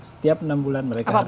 setiap enam bulan mereka